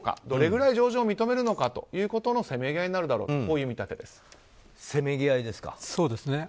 どれぐらい情状を認めるのかということのせめぎ合いになるだろうというせめぎ合いですか？